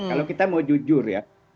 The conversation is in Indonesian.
kalau kita mau jujur ya